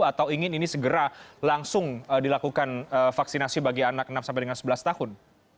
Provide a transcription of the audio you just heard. atau ingin ini segera langsung dilakukan vaksinasi bagi anak enam sampai dengan sebelas tahun